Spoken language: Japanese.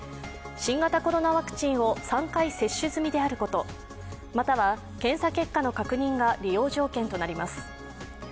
新型コロナワクチンを３回接種済みであることまたは検査結果の確認が利用条件となります。